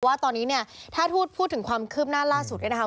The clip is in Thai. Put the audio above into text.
ว่าตอนนี้เนี่ยถ้าทูตพูดถึงความคืบหน้าล่าสุดเนี่ยนะคะ